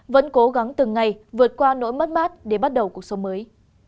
vẫn cố gắng từng ngày vượt qua nỗi mất mát để bắt đầu cuộc sống mới